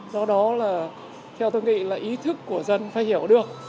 do đó là theo tôi nghĩ là ý thức của dân phải hiểu được